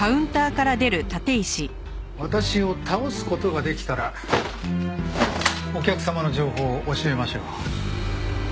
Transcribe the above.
私を倒す事ができたらお客様の情報を教えましょう。